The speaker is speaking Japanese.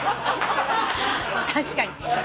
確かに。